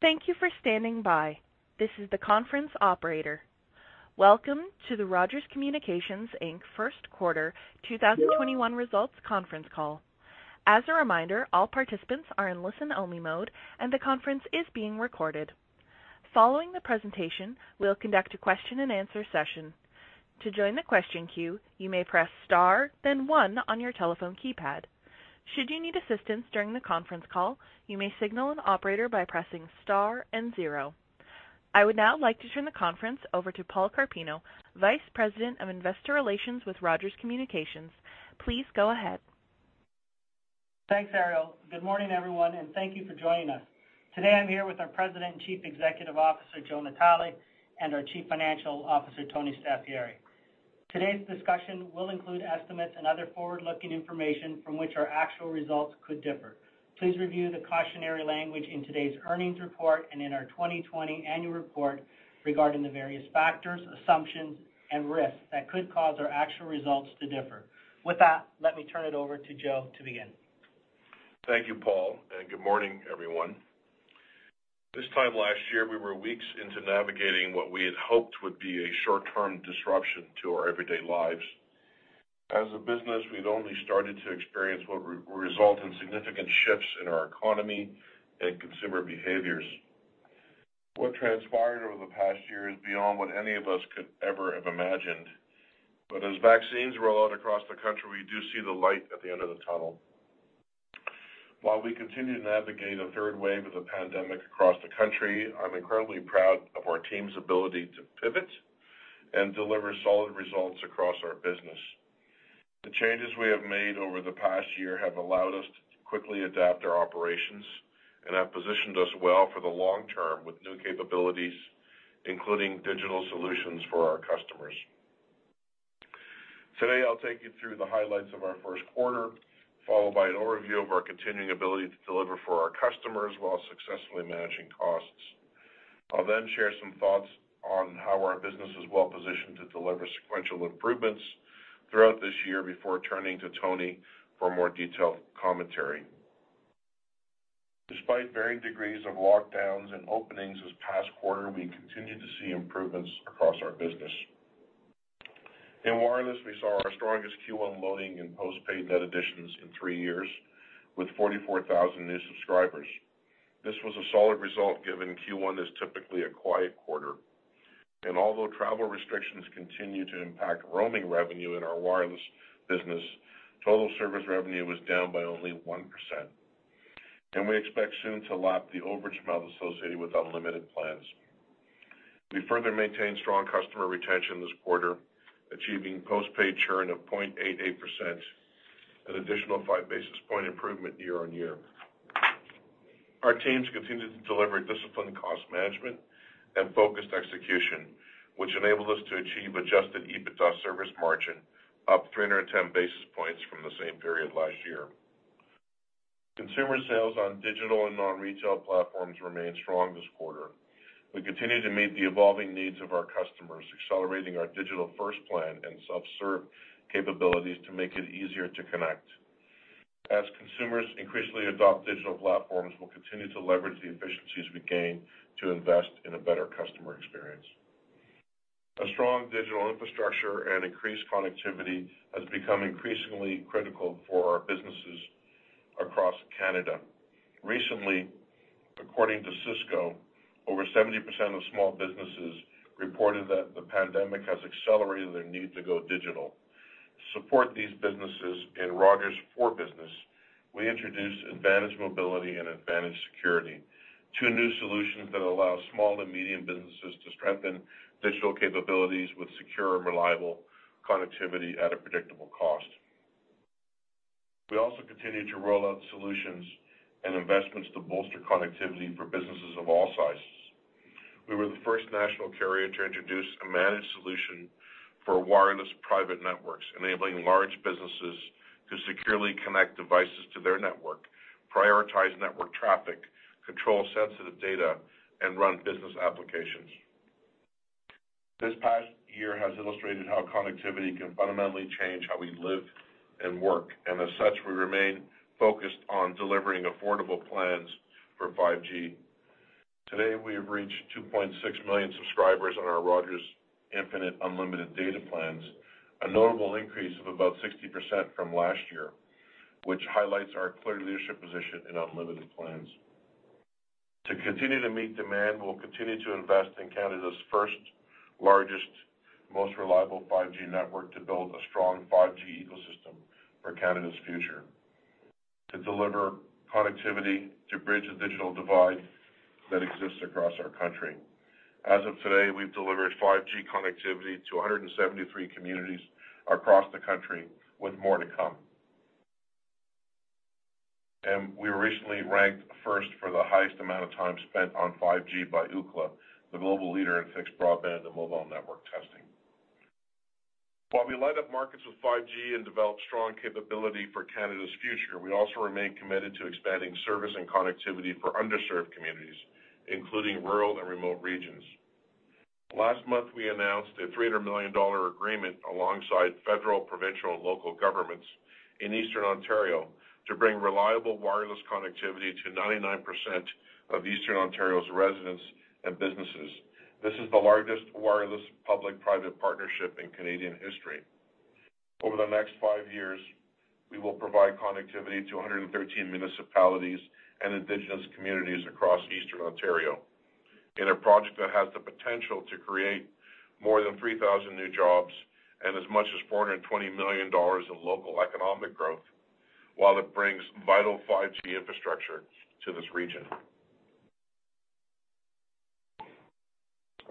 Thank you for standing by. This is the conference operator. Welcome to the Rogers Communications Inc. first quarter 2021 results conference call. As a reminder, all participants are in listen-only mode, and the conference is being recorded. Following the presentation, we'll conduct a question-and-answer session. To join the question queue, you may press star, then one on your telephone keypad. Should you need assistance during the conference call, you may signal an operator by pressing star and zero. I would now like to turn the conference over to Paul Carpino, Vice President of Investor Relations with Rogers Communications. Please go ahead. Thanks, Ariel. Good morning, everyone, and thank you for joining us. Today, I'm here with our President and Chief Executive Officer, Joe Natale, and our Chief Financial Officer, Tony Staffieri. Today's discussion will include estimates and other forward-looking information from which our actual results could differ. Please review the cautionary language in today's earnings report and in our 2020 annual report regarding the various factors, assumptions, and risks that could cause our actual results to differ. With that, let me turn it over to Joe to begin. Thank you, Paul, and good morning, everyone. This time last year, we were weeks into navigating what we had hoped would be a short-term disruption to our everyday lives. As a business, we'd only started to experience what resulted in significant shifts in our economy and consumer behaviors. What transpired over the past year is beyond what any of us could ever have imagined. But as vaccines roll out across the country, we do see the light at the end of the tunnel. While we continue to navigate a third wave of the pandemic across the country, I'm incredibly proud of our team's ability to pivot and deliver solid results across our business. The changes we have made over the past year have allowed us to quickly adapt our operations and have positioned us well for the long term with new capabilities, including digital solutions for our customers. Today, I'll take you through the highlights of our first quarter, followed by an overview of our continuing ability to deliver for our customers while successfully managing costs. I'll then share some thoughts on how our business is well-positioned to deliver sequential improvements throughout this year before turning to Tony for more detailed commentary. Despite varying degrees of lockdowns and openings this past quarter, we continue to see improvements across our business. In wireless, we saw our strongest Q1 loading in postpaid net additions in three years with 44,000 new subscribers. This was a solid result given Q1 is typically a quiet quarter, and although travel restrictions continue to impact roaming revenue in our wireless business, total service revenue was down by only 1%, and we expect soon to lap the overage amount associated with unlimited plans. We further maintained strong customer retention this quarter, achieving postpaid churn of 0.88%, an additional 5 basis point improvement year-on-year. Our teams continue to deliver disciplined cost management and focused execution, which enabled us to achieve adjusted EBITDA service margin, up 310 basis points from the same period last year. Consumer sales on digital and non-retail platforms remain strong this quarter. We continue to meet the evolving needs of our customers, accelerating our digital-first plan and self-serve capabilities to make it easier to connect. As consumers increasingly adopt digital platforms, we'll continue to leverage the efficiencies we gain to invest in a better customer experience. A strong digital infrastructure and increased connectivity has become increasingly critical for our businesses across Canada. Recently, according to Cisco, over 70% of small businesses reported that the pandemic has accelerated their need to go digital. To support these businesses in Rogers' core business, we introduced Advantage Mobility and Advantage Security, two new solutions that allow small and medium businesses to strengthen digital capabilities with secure and reliable connectivity at a predictable cost. We also continue to roll out solutions and investments to bolster connectivity for businesses of all sizes. We were the first national carrier to introduce a managed solution for wireless private networks, enabling large businesses to securely connect devices to their network, prioritize network traffic, control sensitive data, and run business applications. This past year has illustrated how connectivity can fundamentally change how we live and work, and as such, we remain focused on delivering affordable plans for 5G. Today, we have reached 2.6 million subscribers on our Rogers Infinite Unlimited data plans, a notable increase of about 60% from last year, which highlights our clear leadership position in unlimited plans. To continue to meet demand, we'll continue to invest in Canada's first, largest, most reliable 5G network to build a strong 5G ecosystem for Canada's future, to deliver connectivity to bridge the digital divide that exists across our country. As of today, we've delivered 5G connectivity to 173 communities across the country, with more to come. And we were recently ranked first for the highest amount of time spent on 5G by Ookla, the global leader in fixed broadband and mobile network testing. While we light up markets with 5G and develop strong capability for Canada's future, we also remain committed to expanding service and connectivity for underserved communities, including rural and remote regions. Last month, we announced a 300 million dollar agreement alongside federal, provincial, and local governments in Eastern Ontario to bring reliable wireless connectivity to 99% of Eastern Ontario's residents and businesses. This is the largest wireless public-private partnership in Canadian history. Over the next five years, we will provide connectivity to 113 municipalities and indigenous communities across Eastern Ontario in a project that has the potential to create more than 3,000 new jobs and as much as 420 million dollars in local economic growth, while it brings vital 5G infrastructure to this region.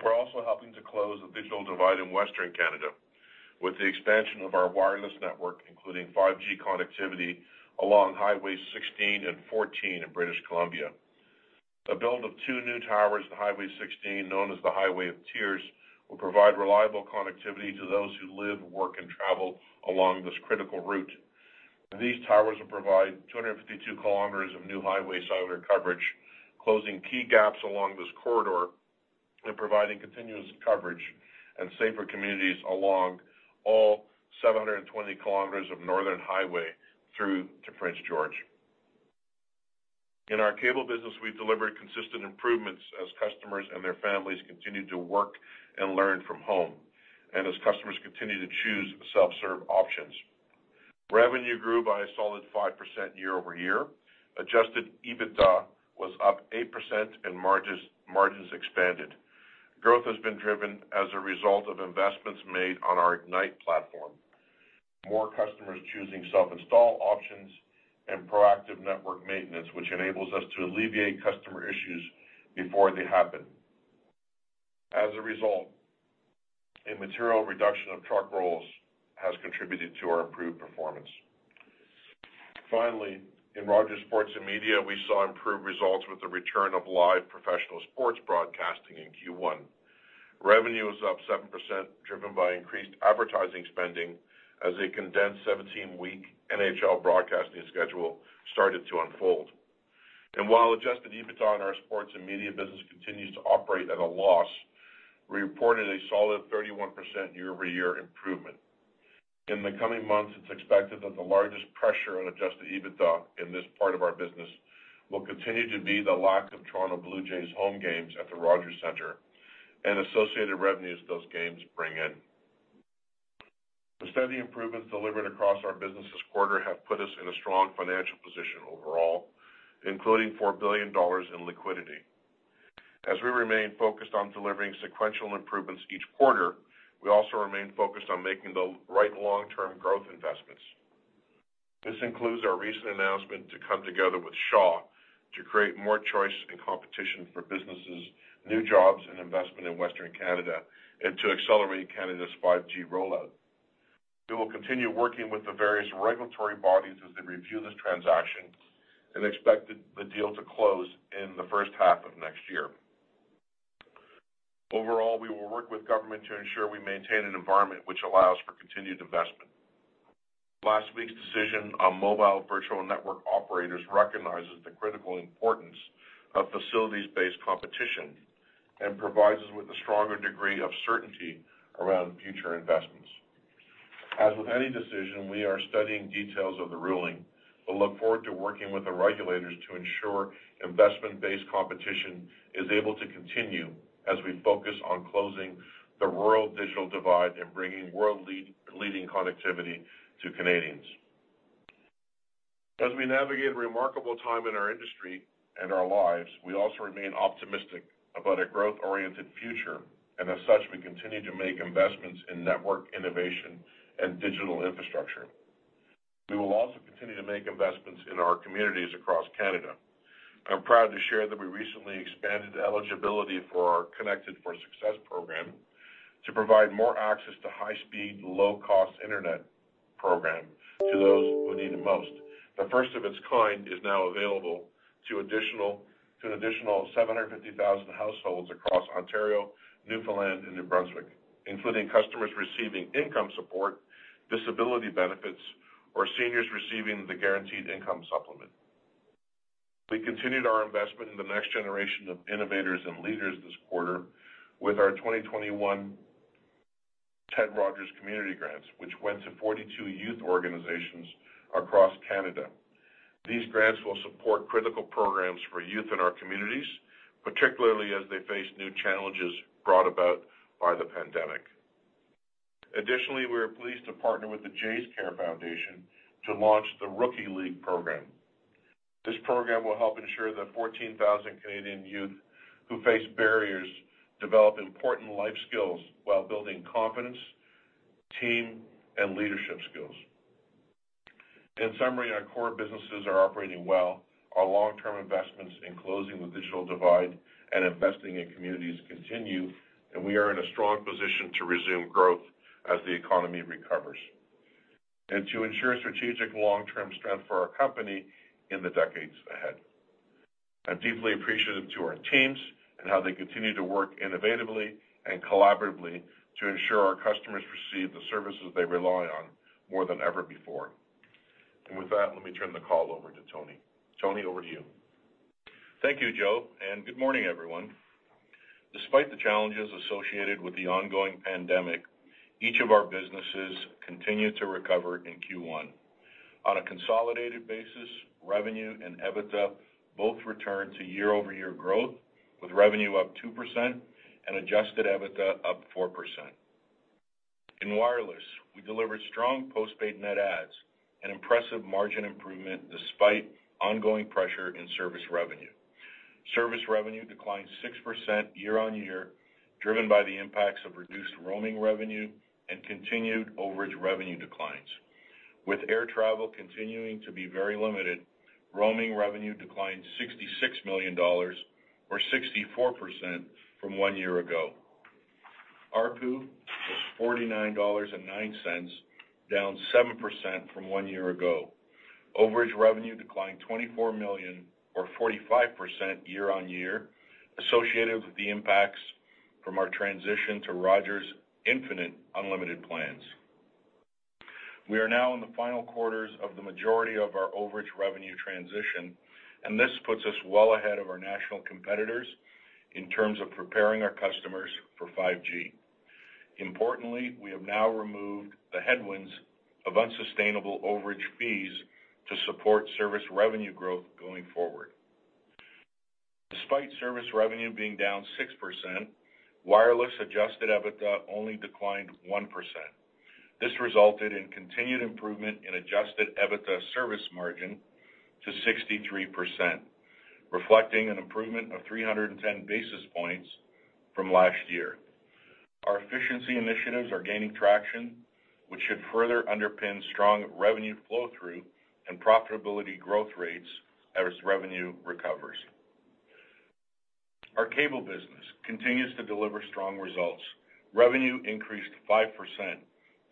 We're also helping to close the digital divide in Western Canada with the expansion of our wireless network, including 5G connectivity along Highway 16 and 14 in British Columbia. The build of two new towers on Highway 16, known as the Highway of Tears, will provide reliable connectivity to those who live, work, and travel along this critical route. These towers will provide 252 km of new highway cellular coverage, closing key gaps along this corridor and providing continuous coverage and safer communities along all 720 km of northern highway through to Prince George. In our cable business, we've delivered consistent improvements as customers and their families continue to work and learn from home, and as customers continue to choose self-serve options. Revenue grew by a solid 5% year-over-year. Adjusted EBITDA was up 8%, and margins expanded. Growth has been driven as a result of investments made on our Ignite platform, more customers choosing self-install options, and proactive network maintenance, which enables us to alleviate customer issues before they happen. As a result, a material reduction of truck rolls has contributed to our improved performance. Finally, in Rogers Sports & Media, we saw improved results with the return of live professional sports broadcasting in Q1. Revenue is up 7%, driven by increased advertising spending as a condensed 17-week NHL broadcasting schedule started to unfold, and while adjusted EBITDA in our Sports & Media business continues to operate at a loss, we reported a solid 31% year-over-year improvement. In the coming months, it's expected that the largest pressure on adjusted EBITDA in this part of our business will continue to be the lack of Toronto Blue Jays' home games at the Rogers Centre and associated revenues those games bring in. The steady improvements delivered across our business this quarter have put us in a strong financial position overall, including 4 billion dollars in liquidity. As we remain focused on delivering sequential improvements each quarter, we also remain focused on making the right long-term growth investments. This includes our recent announcement to come together with Shaw to create more choice and competition for businesses, new jobs, and investment in Western Canada, and to accelerate Canada's 5G rollout. We will continue working with the various regulatory bodies as they review this transaction and expect the deal to close in the first half of next year. Overall, we will work with government to ensure we maintain an environment which allows for continued investment. Last week's decision on mobile virtual network operators recognizes the critical importance of facilities-based competition and provides us with a stronger degree of certainty around future investments. As with any decision, we are studying details of the ruling but look forward to working with the regulators to ensure investment-based competition is able to continue as we focus on closing the rural digital divide and bringing world-leading connectivity to Canadians. As we navigate a remarkable time in our industry and our lives, we also remain optimistic about a growth-oriented future, and as such, we continue to make investments in network innovation and digital infrastructure. We will also continue to make investments in our communities across Canada. I'm proud to share that we recently expanded eligibility for our Connected for Success program to provide more access to high-speed, low-cost internet programs to those who need it most. The first of its kind is now available to an additional 750,000 households across Ontario, Newfoundland, and New Brunswick, including customers receiving income support, disability benefits, or seniors receiving the Guaranteed Income Supplement. We continued our investment in the next generation of innovators and leaders this quarter with our 2021 Ted Rogers Community Grants, which went to 42 youth organizations across Canada. These grants will support critical programs for youth in our communities, particularly as they face new challenges brought about by the pandemic. Additionally, we are pleased to partner with the Jays Care Foundation to launch the Rookie League program. This program will help ensure that 14,000 Canadian youth who face barriers develop important life skills while building confidence, team, and leadership skills. In summary, our core businesses are operating well. Our long-term investments in closing the digital divide and investing in communities continue, and we are in a strong position to resume growth as the economy recovers and to ensure strategic long-term strength for our company in the decades ahead. I'm deeply appreciative to our teams and how they continue to work innovatively and collaboratively to ensure our customers receive the services they rely on more than ever before, and with that, let me turn the call over to Tony. Tony, over to you. Thank you, Joe, and good morning, everyone. Despite the challenges associated with the ongoing pandemic, each of our businesses continued to recover in Q1. On a consolidated basis, revenue and EBITDA both returned to year-over-year growth, with revenue up 2% and adjusted EBITDA up 4%. In wireless, we delivered strong postpaid net adds and impressive margin improvement despite ongoing pressure in service revenue. Service revenue declined 6% year-on-year, driven by the impacts of reduced roaming revenue and continued overage revenue declines. With air travel continuing to be very limited, roaming revenue declined 66 million dollars, or 64% from one year ago. Our ARPU was 49.09 dollars, down 7% from one year ago. Overage revenue declined 24 million, or 45% year-on-year, associated with the impacts from our transition to Rogers Infinite Unlimited plans. We are now in the final quarters of the majority of our overage revenue transition, and this puts us well ahead of our national competitors in terms of preparing our customers for 5G. Importantly, we have now removed the headwinds of unsustainable overage fees to support service revenue growth going forward. Despite service revenue being down 6%, wireless adjusted EBITDA only declined 1%. This resulted in continued improvement in adjusted EBITDA service margin to 63%, reflecting an improvement of 310 basis points from last year. Our efficiency initiatives are gaining traction, which should further underpin strong revenue flow-through and profitability growth rates as revenue recovers. Our cable business continues to deliver strong results. Revenue increased 5%,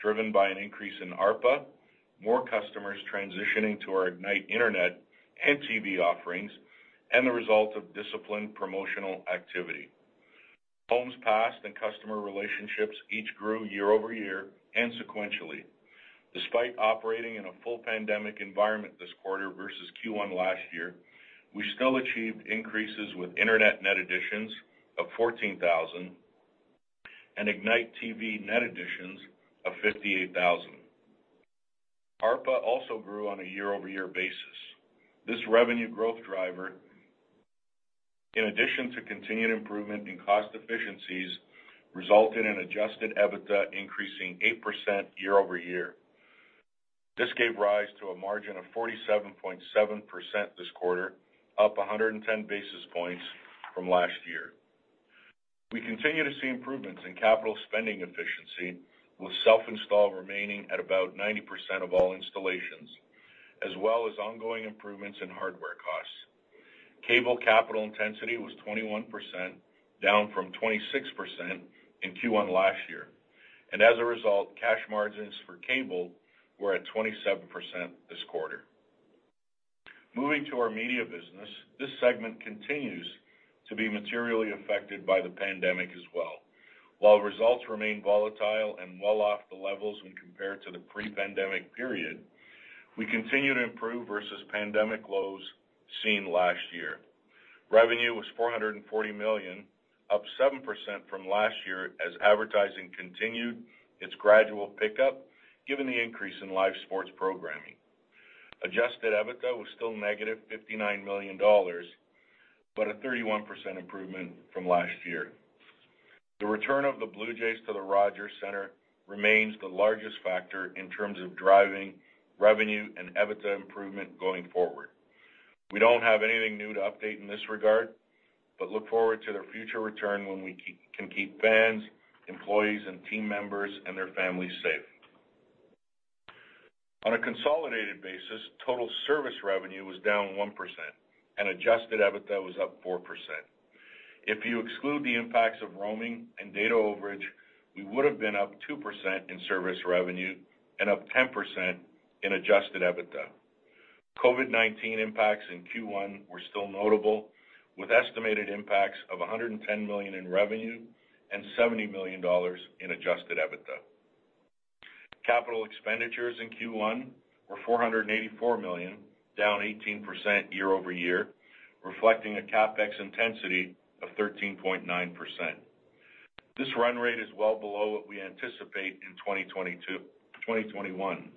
driven by an increase in ARPA, more customers transitioning to our Ignite Internet and TV offerings, and the result of disciplined promotional activity. Homes passed and customer relationships each grew year-over-year and sequentially. Despite operating in a full pandemic environment this quarter versus Q1 last year, we still achieved increases with internet net additions of 14,000 and Ignite TV net additions of 58,000. ARPA also grew on a year-over-year basis. This revenue growth driver, in addition to continued improvement in cost efficiencies, resulted in adjusted EBITDA increasing 8% year-over-year. This gave rise to a margin of 47.7% this quarter, up 110 basis points from last year. We continue to see improvements in capital spending efficiency, with self-install remaining at about 90% of all installations, as well as ongoing improvements in hardware costs. Cable capital intensity was 21%, down from 26% in Q1 last year, and as a result, cash margins for cable were at 27% this quarter. Moving to our media business, this segment continues to be materially affected by the pandemic as well. While results remain volatile and well off the levels when compared to the pre-pandemic period, we continue to improve versus pandemic lows seen last year. Revenue was 440 million, up 7% from last year as advertising continued its gradual pickup, given the increase in live sports programming. Adjusted EBITDA was still -59 million dollars, but a 31% improvement from last year. The return of the Blue Jays to the Rogers Centre remains the largest factor in terms of driving revenue and EBITDA improvement going forward. We don't have anything new to update in this regard, but look forward to their future return when we can keep fans, employees, and team members and their families safe. On a consolidated basis, total service revenue was down 1%, and adjusted EBITDA was up 4%. If you exclude the impacts of roaming and data overage, we would have been up 2% in service revenue and up 10% in adjusted EBITDA. COVID-19 impacts in Q1 were still notable, with estimated impacts of 110 million in revenue and 70 million dollars in adjusted EBITDA. Capital expenditures in Q1 were 484 million, down 18% year-over-year, reflecting a CapEx intensity of 13.9%. This run rate is well below what we anticipate in 2021.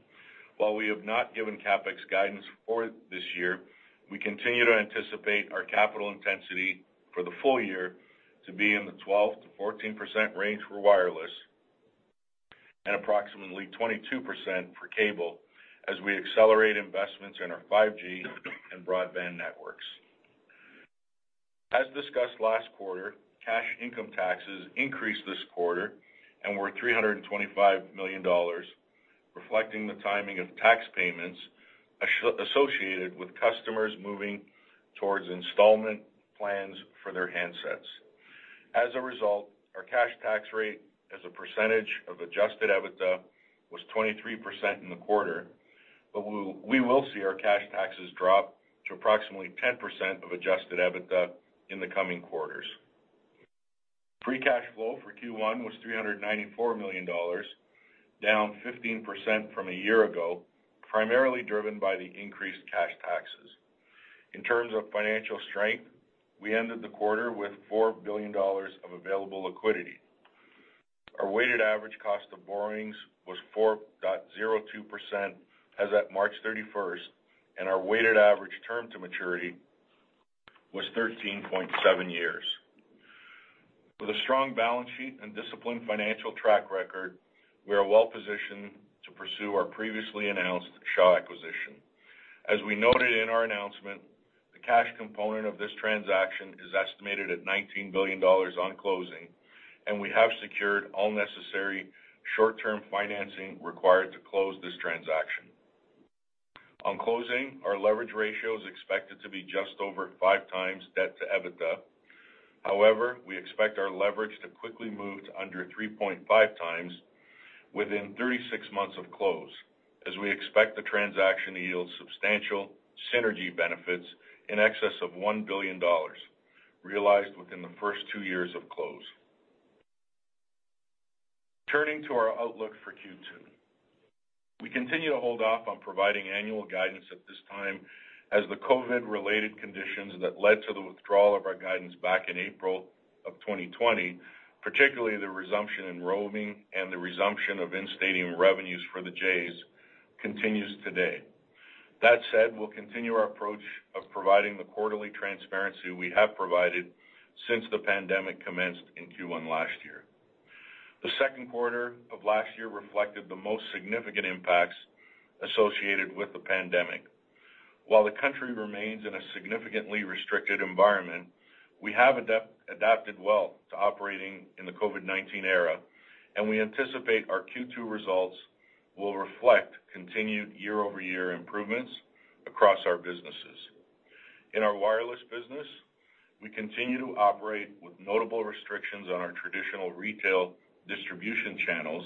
While we have not given CapEx guidance for this year, we continue to anticipate our capital intensity for the full year to be in the 12%-14% range for wireless and approximately 22% for cable as we accelerate investments in our 5G and broadband networks. As discussed last quarter, cash income taxes increased this quarter and were 325 million dollars, reflecting the timing of tax payments associated with customers moving towards installment plans for their handsets. As a result, our cash tax rate as a percentage of adjusted EBITDA was 23% in the quarter, but we will see our cash taxes drop to approximately 10% of Adjusted EBITDA in the coming quarters. Free cash flow for Q1 was 394 million dollars, down 15% from a year ago, primarily driven by the increased cash taxes. In terms of financial strength, we ended the quarter with 4 billion dollars of available liquidity. Our weighted average cost of borrowings was 4.02% as at March 31st, and our weighted average term to maturity was 13.7 years. With a strong balance sheet and disciplined financial track record, we are well positioned to pursue our previously announced Shaw acquisition. As we noted in our announcement, the cash component of this transaction is estimated at 19 billion dollars on closing, and we have secured all necessary short-term financing required to close this transaction. On closing, our leverage ratio is expected to be just over 5x debt to EBITDA. However, we expect our leverage to quickly move to under 3.5x within 36 months of close, as we expect the transaction to yield substantial synergy benefits in excess of 1 billion dollars realized within the first two years of close. Turning to our outlook for Q2, we continue to hold off on providing annual guidance at this time as the COVID-related conditions that led to the withdrawal of our guidance back in April of 2020, particularly the resumption in roaming and the resumption of in-stadium revenues for the Jays, continues today. That said, we'll continue our approach of providing the quarterly transparency we have provided since the pandemic commenced in Q1 last year. The second quarter of last year reflected the most significant impacts associated with the pandemic. While the country remains in a significantly restricted environment, we have adapted well to operating in the COVID-19 era, and we anticipate our Q2 results will reflect continued year-over-year improvements across our businesses. In our wireless business, we continue to operate with notable restrictions on our traditional retail distribution channels.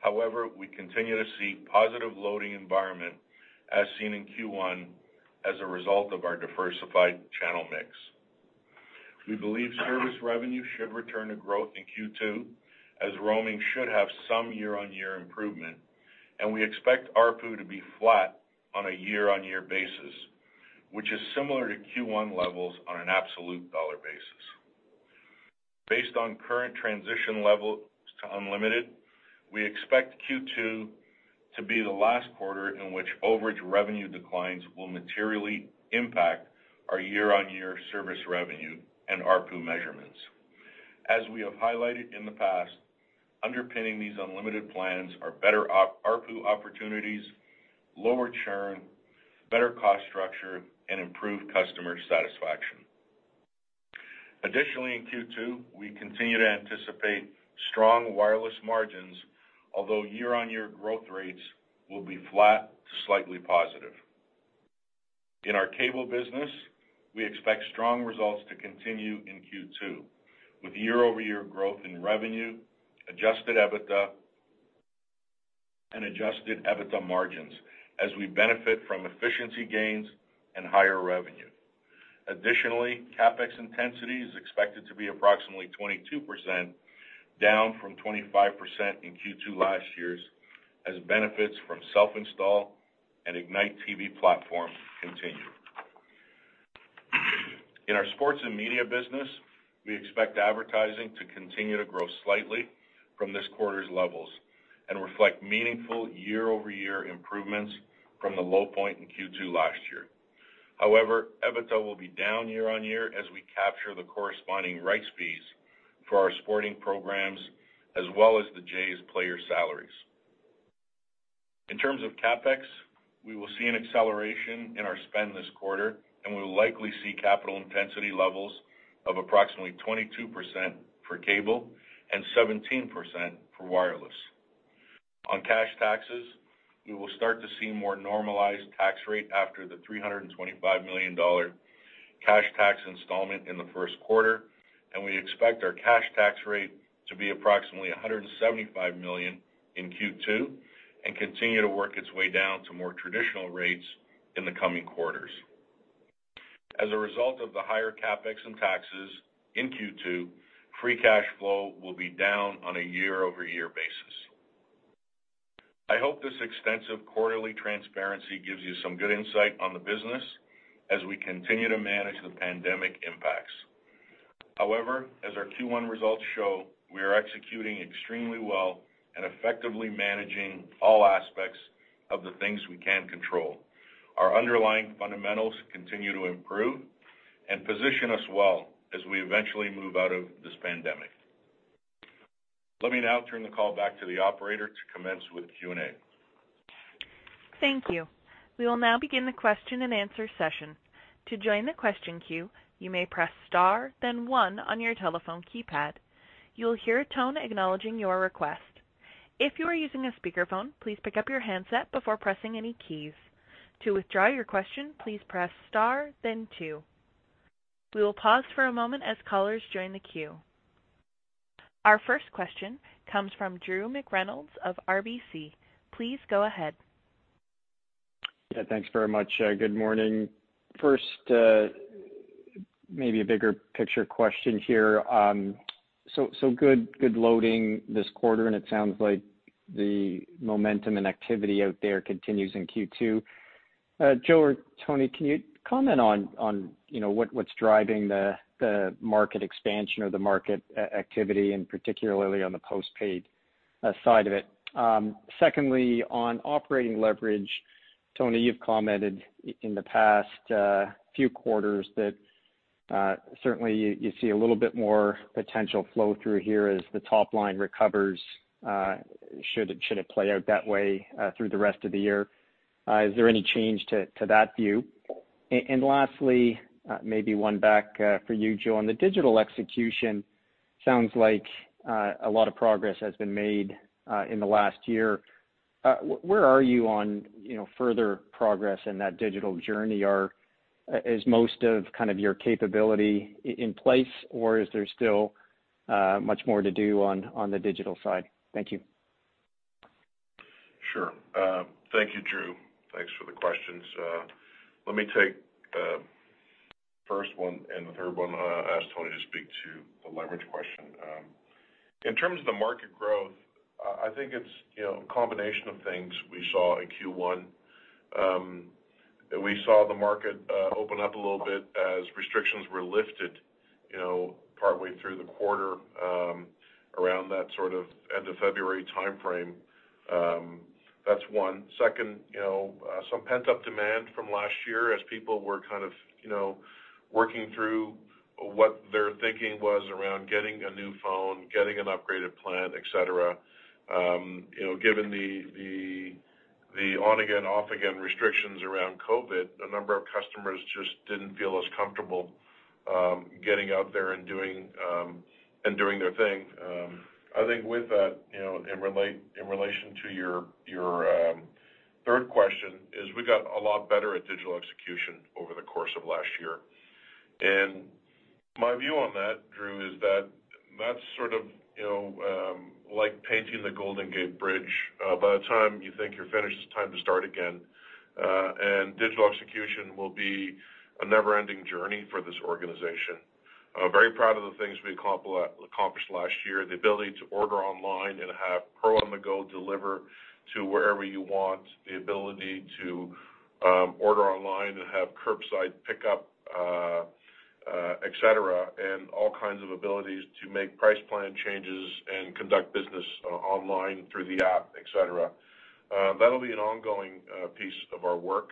However, we continue to see a positive loading environment as seen in Q1 as a result of our diversified channel mix. We believe service revenue should return to growth in Q2, as roaming should have some year-on-year improvement, and we expect our ARPU to be flat on a year-on-year basis, which is similar to Q1 levels on an absolute dollar basis. Based on current transition levels to unlimited, we expect Q2 to be the last quarter in which overage revenue declines will materially impact our year-on-year service revenue and our ARPU measurements. As we have highlighted in the past, underpinning these unlimited plans are better ARPU opportunities, lower churn, better cost structure, and improved customer satisfaction. Additionally, in Q2, we continue to anticipate strong wireless margins, although year-on-year growth rates will be flat to slightly positive. In our cable business, we expect strong results to continue in Q2, with year-over-year growth in revenue, adjusted EBITDA, and adjusted EBITDA margins as we benefit from efficiency gains and higher revenue. Additionally, CapEx intensity is expected to be approximately 22%, down from 25% in Q2 last year as benefits from self-install and Ignite TV platform continue. In our Sports & Media business, we expect advertising to continue to grow slightly from this quarter's levels and reflect meaningful year-over-year improvements from the low point in Q2 last year. However, EBITDA will be down year-on-year as we capture the corresponding rights fees for our sporting programs, as well as the Jays' player salaries. In terms of CapEx, we will see an acceleration in our spend this quarter, and we will likely see capital intensity levels of approximately 22% for cable and 17% for wireless. On cash taxes, we will start to see a more normalized tax rate after the 325 million dollar cash tax installment in the first quarter, and we expect our cash tax rate to be approximately 175 million in Q2 and continue to work its way down to more traditional rates in the coming quarters. As a result of the higher CapEx and taxes in Q2, free cash flow will be down on a year-over-year basis. I hope this extensive quarterly transparency gives you some good insight on the business as we continue to manage the pandemic impacts. However, as our Q1 results show, we are executing extremely well and effectively managing all aspects of the things we can control. Our underlying fundamentals continue to improve and position us well as we eventually move out of this pandemic. Let me now turn the call back to the operator to commence with Q&A. Thank you. We will now begin the question and answer session. To join the question queue, you may press star, then one on your telephone keypad. You'll hear a tone acknowledging your request. If you are using a speakerphone, please pick up your handset before pressing any keys. To withdraw your question, please press star, then two. We will pause for a moment as callers join the queue. Our first question comes from Drew McReynolds of RBC. Please go ahead. Yeah, thanks very much. Good morning. First, maybe a bigger picture question here. So good loading this quarter, and it sounds like the momentum and activity out there continues in Q2. Joe or Tony, can you comment on what's driving the market expansion or the market activity, and particularly on the postpaid side of it? Secondly, on operating leverage, Tony, you've commented in the past few quarters that certainly you see a little bit more potential flow-through here as the top line recovers should it play out that way through the rest of the year. Is there any change to that view? And lastly, maybe one back for you, Joe. On the digital execution, sounds like a lot of progress has been made in the last year. Where are you on further progress in that digital journey? Is most of kind of your capability in place, or is there still much more to do on the digital side? Thank you. Sure. Thank you, Drew. Thanks for the questions. Let me take the first one and the third one. I'll ask Tony to speak to the leverage question. In terms of the market growth, I think it's a combination of things we saw in Q1. We saw the market open up a little bit as restrictions were lifted partway through the quarter around that sort of end of February timeframe. That's one. Second, some pent-up demand from last year as people were kind of working through what their thinking was around getting a new phone, getting an upgraded plan, etc. Given the on-again, off-again restrictions around COVID, a number of customers just didn't feel as comfortable getting out there and doing their thing. I think with that, in relation to your third question, is we got a lot better at digital execution over the course of last year, and my view on that, Drew, is that that's sort of like painting the Golden Gate Bridge. By the time you think you're finished, it's time to start again, and digital execution will be a never-ending journey for this organization. Very proud of the things we accomplished last year. The ability to order online and have Pro On-the-Go deliver to wherever you want. The ability to order online and have curbside pickup, etc., and all kinds of abilities to make price plan changes and conduct business online through the app, etc. That'll be an ongoing piece of our work.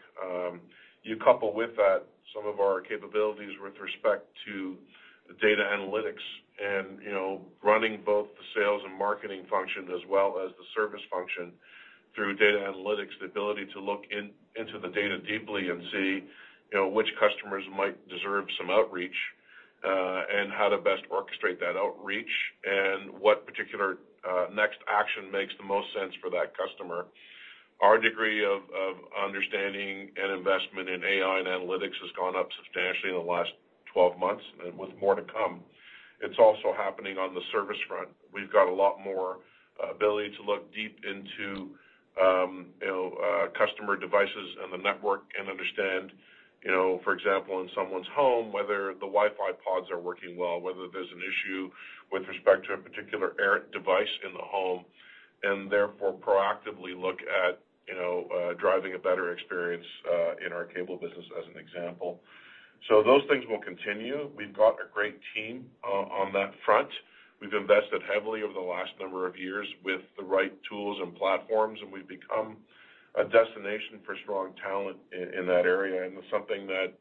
You couple with that some of our capabilities with respect to data analytics and running both the sales and marketing function as well as the service function through data analytics. The ability to look into the data deeply and see which customers might deserve some outreach and how to best orchestrate that outreach and what particular next action makes the most sense for that customer. Our degree of understanding and investment in AI and analytics has gone up substantially in the last 12 months and with more to come. It's also happening on the service front. We've got a lot more ability to look deep into customer devices and the network and understand, for example, in someone's home, whether the Wi-Fi pods are working well, whether there's an issue with respect to a particular device in the home, and therefore proactively look at driving a better experience in our cable business as an example, so those things will continue. We've got a great team on that front. We've invested heavily over the last number of years with the right tools and platforms, and we've become a destination for strong talent in that area, and it's something that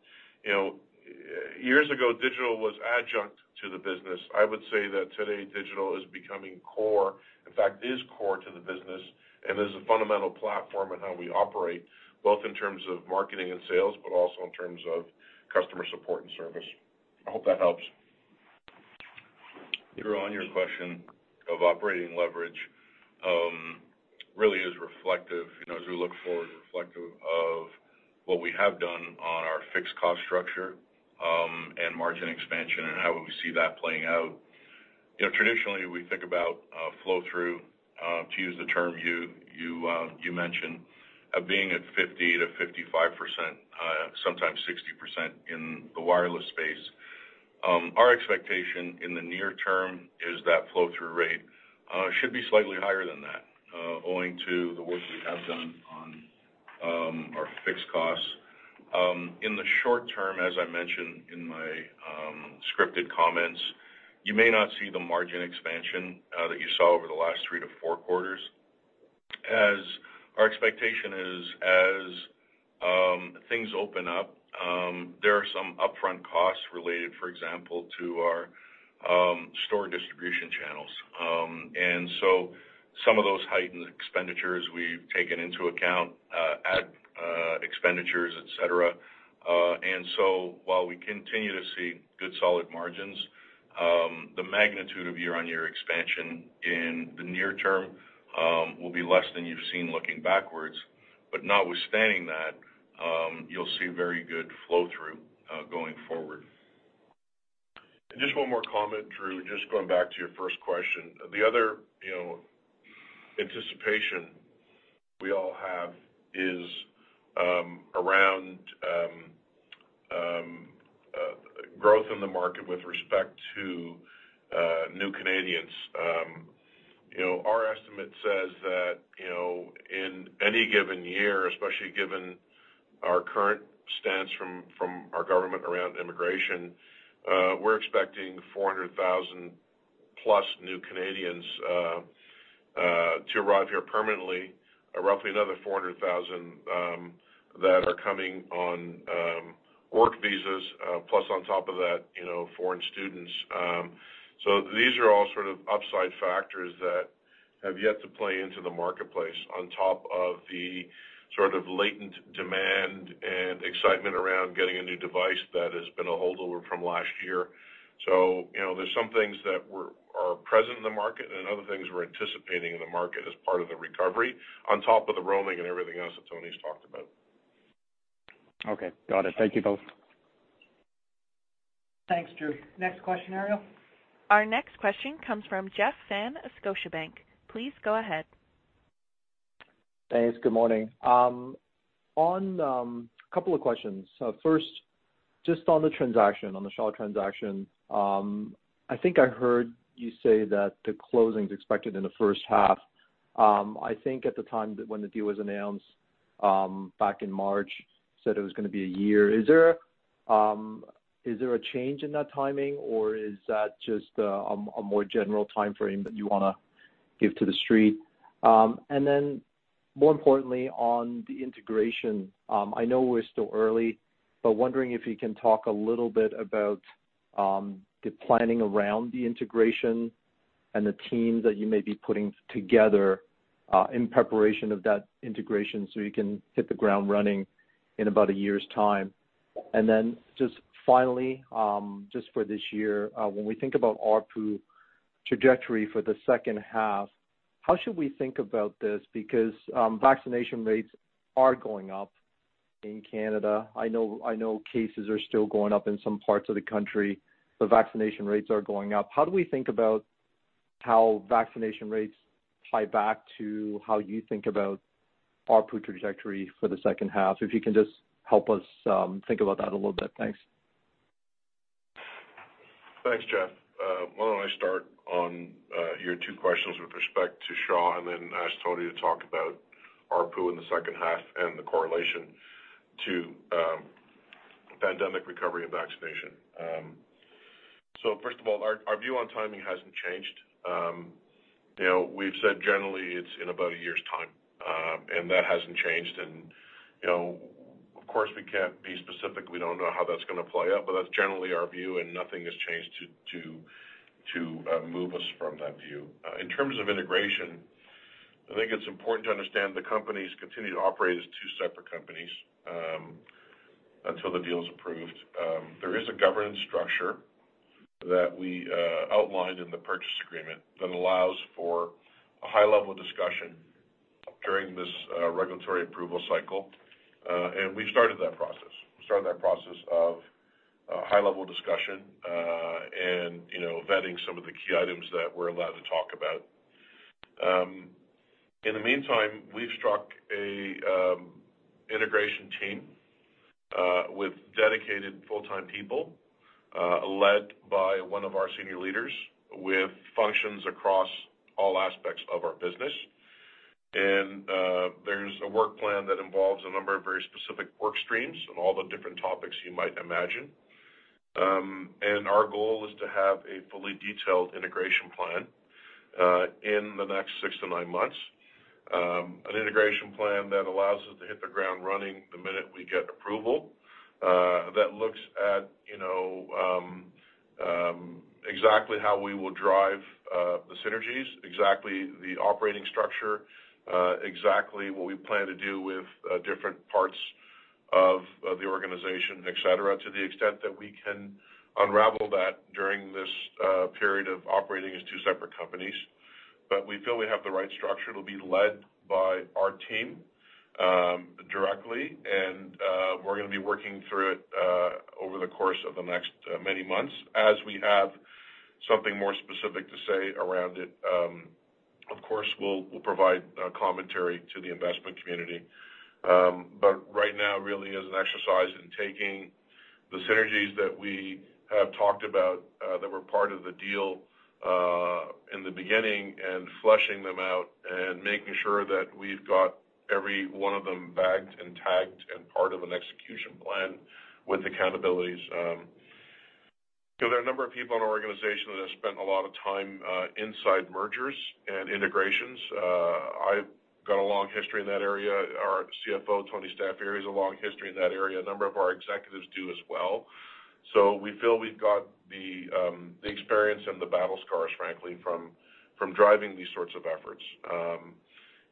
years ago, digital was adjunct to the business. I would say that today, digital is becoming core, in fact, is core to the business and is a fundamental platform in how we operate, both in terms of marketing and sales, but also in terms of customer support and service. I hope that helps. You're on your question of operating leverage really is reflective, as we look forward, reflective of what we have done on our fixed cost structure and margin expansion and how we see that playing out. Traditionally, we think about flow-through, to use the term you mentioned, of being at 50%-55%, sometimes 60% in the wireless space. Our expectation in the near term is that flow-through rate should be slightly higher than that, owing to the work we have done on our fixed costs. In the short term, as I mentioned in my scripted comments, you may not see the margin expansion that you saw over the last three to four quarters. As our expectation is, as things open up, there are some upfront costs related, for example, to our store distribution channels. And so some of those heightened expenditures we've taken into account, add expenditures, etc. And so while we continue to see good solid margins, the magnitude of year-on-year expansion in the near term will be less than you've seen looking backwards. But notwithstanding that, you'll see very good flow-through going forward. Just one more comment, Drew. Just going back to your first question, the other anticipation we all have is around growth in the market with respect to new Canadians. Our estimate says that in any given year, especially given our current stance from our government around immigration, we're expecting 400,000+ new Canadians to arrive here permanently, roughly another 400,000 that are coming on work visas, plus on top of that, foreign students. So these are all sort of upside factors that have yet to play into the marketplace on top of the sort of latent demand and excitement around getting a new device that has been a holdover from last year. So there's some things that are present in the market and other things we're anticipating in the market as part of the recovery on top of the roaming and everything else that Tony's talked about. Okay. Got it. Thank you both. Thanks, Drew. Next question, Ariel. Our next question comes from Jeff Fan, Scotiabank. Please go ahead. Thanks. Good morning. On a couple of questions. First, just on the transaction, on the Shaw transaction, I think I heard you say that the closing's expected in the first half. I think at the time that when the deal was announced back in March, said it was going to be a year. Is there a change in that timing, or is that just a more general timeframe that you want to give to the street? And then, more importantly, on the integration, I know we're still early, but wondering if you can talk a little bit about the planning around the integration and the teams that you may be putting together in preparation of that integration so you can hit the ground running in about a year's time. And then just finally, just for this year, when we think about our trajectory for the second half, how should we think about this? Because vaccination rates are going up in Canada. I know cases are still going up in some parts of the country. The vaccination rates are going up. How do we think about how vaccination rates tie back to how you think about our trajectory for the second half? If you can just help us think about that a little bit. Thanks. Thanks, Jeff. Why don't I start on your two questions with respect to Shaw and then ask Tony to talk about our pool in the second half and the correlation to pandemic recovery and vaccination. So first of all, our view on timing hasn't changed. We've said generally it's in about a year's time, and that hasn't changed. And of course, we can't be specific. We don't know how that's going to play out, but that's generally our view, and nothing has changed to move us from that view. In terms of integration, I think it's important to understand the companies continue to operate as two separate companies until the deal is approved. There is a governance structure that we outlined in the purchase agreement that allows for a high-level discussion during this regulatory approval cycle. We've started that process. We started that process of high-level discussion and vetting some of the key items that we're allowed to talk about. In the meantime, we've struck an integration team with dedicated full-time people led by one of our senior leaders with functions across all aspects of our business. There's a work plan that involves a number of very specific work streams and all the different topics you might imagine. Our goal is to have a fully detailed integration plan in the next six to nine months. An integration plan that allows us to hit the ground running the minute we get approval that looks at exactly how we will drive the synergies, exactly the operating structure, exactly what we plan to do with different parts of the organization, etc., to the extent that we can unravel that during this period of operating as two separate companies. But we feel we have the right structure to be led by our team directly, and we're going to be working through it over the course of the next many months. As we have something more specific to say around it, of course, we'll provide commentary to the investment community. But right now, really, as an exercise in taking the synergies that we have talked about that were part of the deal in the beginning and fleshing them out and making sure that we've got every one of them bagged and tagged and part of an execution plan with accountabilities. Because there are a number of people in our organization that have spent a lot of time inside mergers and integrations. I've got a long history in that area. Our CFO, Tony Staffieri, has a long history in that area. A number of our executives do as well. So we feel we've got the experience and the battle scars, frankly, from driving these sorts of efforts.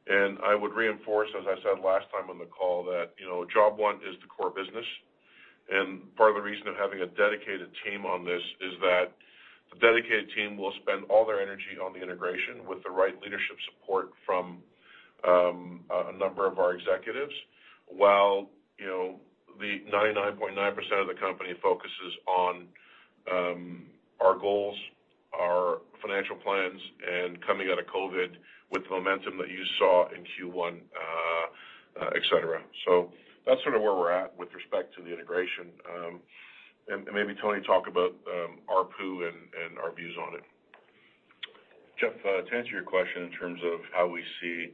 And I would reinforce, as I said last time on the call, that job one is the core business. Part of the reason for having a dedicated team on this is that the dedicated team will spend all their energy on the integration with the right leadership support from a number of our executives while the 99.9% of the company focuses on our goals, our financial plans, and coming out of COVID with the momentum that you saw in Q1, etc. So that's sort of where we're at with respect to the integration. And maybe Tony talk about our pool and our views on it. Jeff, to answer your question in terms of how we see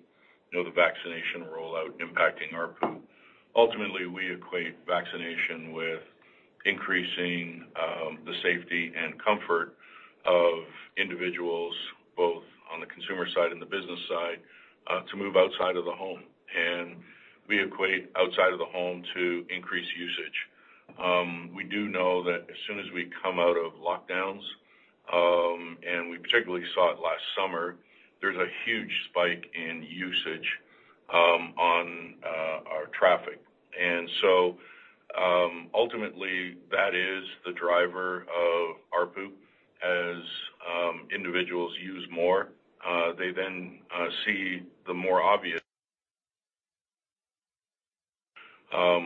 the vaccination rollout impacting our pool, ultimately, we equate vaccination with increasing the safety and comfort of individuals, both on the consumer side and the business side, to move outside of the home. And we equate outside of the home to increase usage. We do know that as soon as we come out of lockdowns, and we particularly saw it last summer, there's a huge spike in usage on our traffic. And so ultimately, that is the driver of our pool. As individuals use more, they then see the more obvious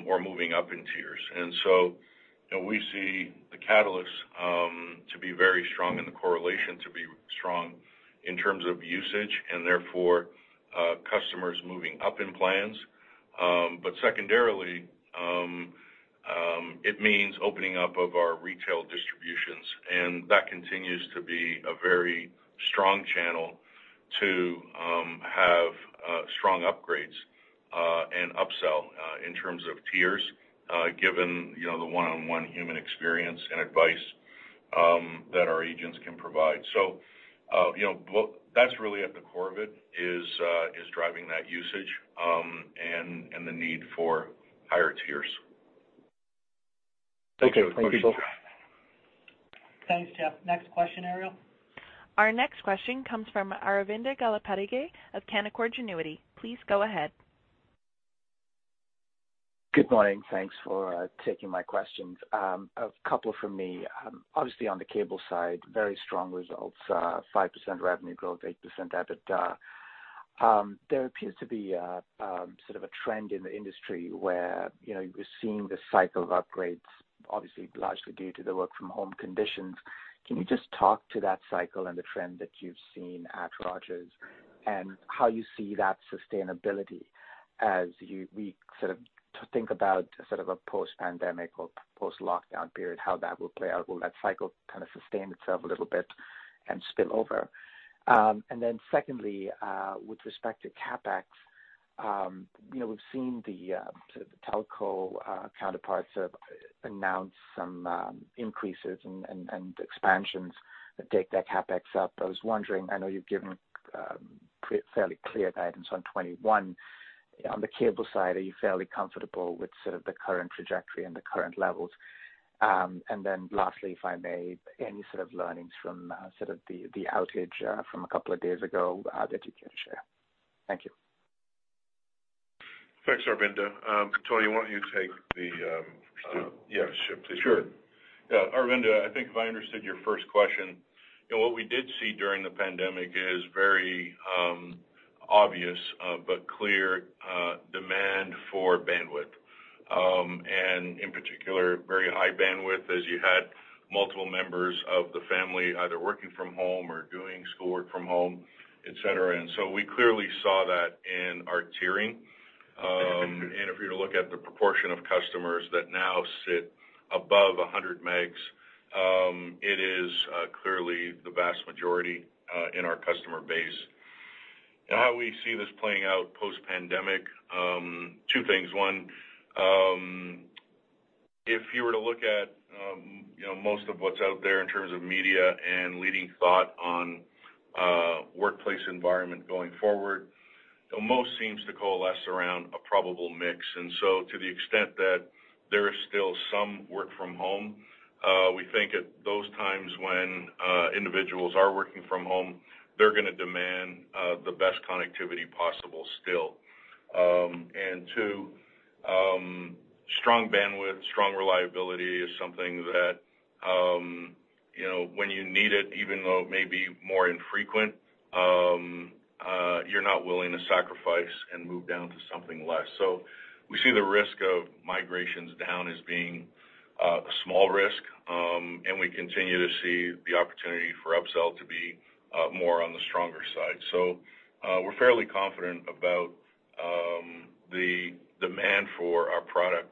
or moving up in tiers. And so we see the catalysts to be very strong and the correlation to be strong in terms of usage and therefore customers moving up in plans. But secondarily, it means opening up of our retail distributions. And that continues to be a very strong channel to have strong upgrades and upsell in terms of tiers given the one-on-one human experience and advice that our agents can provide. So that's really at the core of it is driving that usage and the need for higher tiers. Thank you. Thank you, Jeff. Thanks, Jeff. Next question, Ariel. Our next question comes from Aravinda Galappatthige of Canaccord Genuity. Please go ahead. Good morning. Thanks for taking my questions. A couple from me. Obviously, on the cable side, very strong results, 5% revenue growth, 8% EBITDA. There appears to be sort of a trend in the industry where you're seeing the cycle of upgrades, obviously largely due to the work-from-home conditions. Can you just talk to that cycle and the trend that you've seen at Rogers and how you see that sustainability as we sort of think about sort of a post-pandemic or post-lockdown period, how that will play out? Will that cycle kind of sustain itself a little bit and spill over? And then secondly, with respect to CapEx, we've seen the telco counterparts announce some increases and expansions that take their CapEx up. I was wondering, I know you've given fairly clear guidance on 2021. On the cable side, are you fairly comfortable with sort of the current trajectory and the current levels? And then lastly, if I may, any sort of learnings from sort of the outage from a couple of days ago, that you can share? Thank you. Thanks, Aravinda. Tony, why don't you take the. Yeah, sure. Please go ahead. Sure. Yeah. Aravinda, I think if I understood your first question, what we did see during the pandemic is very obvious but clear demand for bandwidth. And in particular, very high bandwidth as you had multiple members of the family either working from home or doing schoolwork from home, etc. And so we clearly saw that in our tiering. And if you look at the proportion of customers that now sit above 100 megs, it is clearly the vast majority in our customer base. And how we see this playing out post-pandemic, two things. One, if you were to look at most of what's out there in terms of media and leading thought on workplace environment going forward, most seems to coalesce around a probable mix. And so to the extent that there is still some work from home, we think at those times when individuals are working from home, they're going to demand the best connectivity possible still. And two, strong bandwidth, strong reliability is something that when you need it, even though it may be more infrequent, you're not willing to sacrifice and move down to something less. So we see the risk of migrations down as being a small risk, and we continue to see the opportunity for upsell to be more on the stronger side. So we're fairly confident about the demand for our product,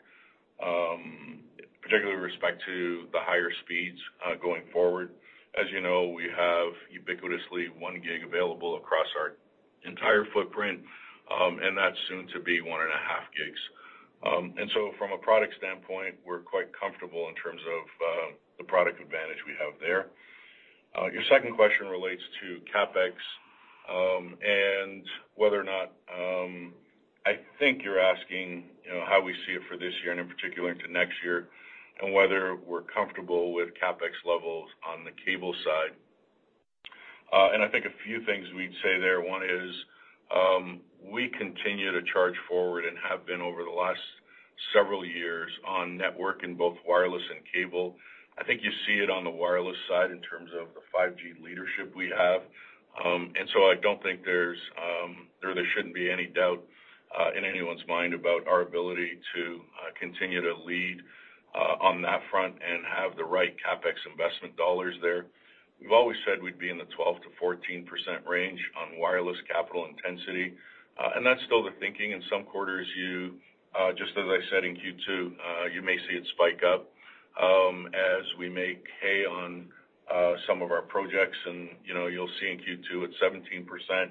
particularly with respect to the higher speeds going forward. As you know, we have ubiquitously 1 GB available across our entire footprint, and that's soon to be 1.5 GB. And so from a product standpoint, we're quite comfortable in terms of the product advantage we have there. Your second question relates to CapEx and whether or not I think you're asking how we see it for this year and in particular to next year and whether we're comfortable with CapEx levels on the cable side. And I think a few things we'd say there. One is we continue to charge forward and have been over the last several years on network in both wireless and cable. I think you see it on the wireless side in terms of the 5G leadership we have. And so I don't think there's or there shouldn't be any doubt in anyone's mind about our ability to continue to lead on that front and have the right CapEx investment dollars there. We've always said we'd be in the 12%-14% range on wireless capital intensity. And that's still the thinking. In some quarters, just as I said in Q2, you may see it spike up as we make hay on some of our projects. And you'll see in Q2 it's 17%.